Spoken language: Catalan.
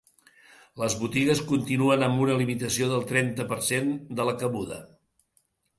Les botigues continuen amb una limitació del trenta per cent de la cabuda.